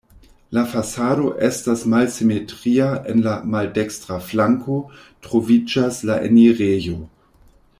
La fasado estas malsimetria, en la maldekstra flanko troviĝas la enirejo.